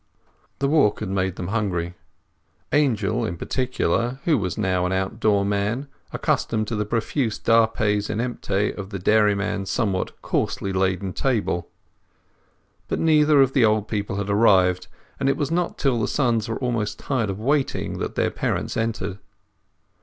The walk had made them hungry, Angel in particular, who was now an outdoor man, accustomed to the profuse dapes inemptae of the dairyman's somewhat coarsely laden table. But neither of the old people had arrived, and it was not till the sons were almost tired of waiting that their parents entered.